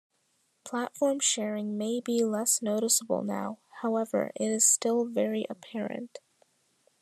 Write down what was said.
Platform sharing "may" be less noticeable now; however, it is still very apparent.